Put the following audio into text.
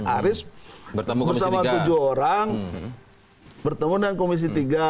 aris bersama tujuh orang bertemu dengan komisi tiga